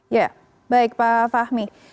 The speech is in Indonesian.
ya baik pak fahmi